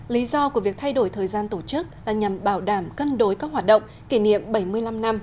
lý do của việc thay đổi thời gian tổ chức là nhằm bảo đảm cân đối các hoạt động kỷ niệm bảy mươi năm năm